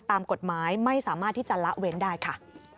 ตามกฎหมายไม่สามารถที่จะละเว้นได้ค่ะ